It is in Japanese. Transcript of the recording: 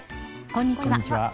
こんにちは。